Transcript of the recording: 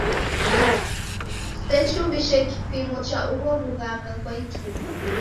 Kusechumbise kipimo cha ugho w'ughanga kwa ituku.